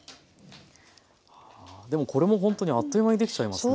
でもこれもほんとにあっという間にできちゃいますね。